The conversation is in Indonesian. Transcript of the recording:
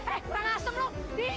eh orang asem dong